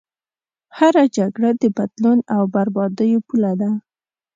هره جګړه د بدلون او بربادیو پوله ده.